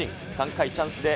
３回、チャンスで